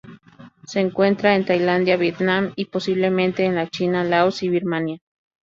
Se encuentra en Tailandia, Vietnam y, posiblemente, en la China, Laos y Birmania.